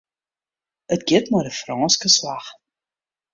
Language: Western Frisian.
It giet mei de Frânske slach.